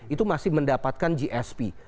itu masih mendapatkan gsp